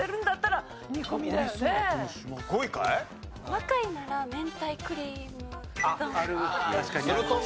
若いなら明太クリームうどん。